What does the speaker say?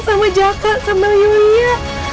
sama jaka sama yulia